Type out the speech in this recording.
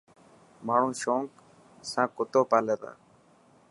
ماڻو شونق سان ڪتو پالي تا.